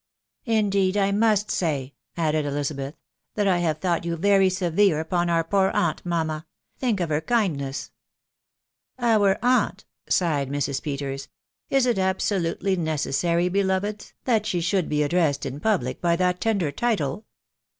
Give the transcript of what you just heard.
" Indeed I must say," added Elizabeth, " that I haw thought you very severe upon our poor aunt, mamma. Think of her kindness !"" Our aunt !" sighed Mrs. Peters. " Is it absolutely ne cessary, beloveds ! that she should be addressed in public by that tender title?"